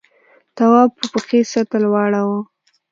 تواب په پښې سطل واړاوه.